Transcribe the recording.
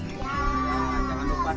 tuh masuk mau baca